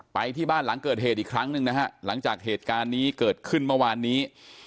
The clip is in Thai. ไปที่บ้านหลังเกิดเหตุอีกครั้งหนึ่งนะฮะหลังจากเหตุการณ์นี้เกิดขึ้นเมื่อวานนี้